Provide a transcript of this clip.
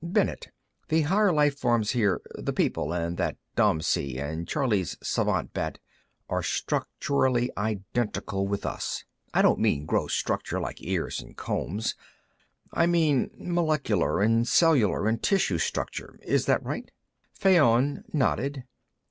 Bennet, the higher life forms here the people, and that domsee, and Charley's svant bat are structurally identical with us. I don't mean gross structure, like ears and combs. I mean molecular and cellular and tissue structure. Is that right?" Fayon nodded.